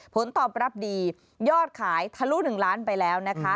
ผลตอบรับดียอดขายทะลุ๑ล้านไปแล้วนะคะ